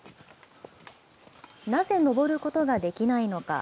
なぜ登ることができないのか。